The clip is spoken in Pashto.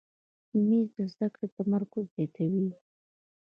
مېز د زده کړو تمرکز زیاتوي.